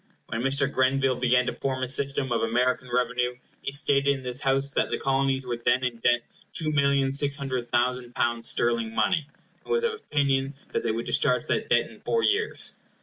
When Mr. Grenville began to form his system of American revenue, he stated in this House that the Colonies were then in debt two millions six hundred thousand pounds sterling money, and was of opinion they would discharge that debt in four years.